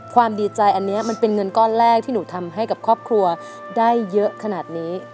ดีใจอันนี้มันเป็นเงินก้อนแรกที่หนูทำให้กับครอบครัวได้เยอะขนาดนี้